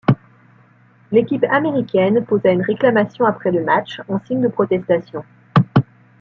L'équipe américaine posa une réclamation après le match en signe de protestation.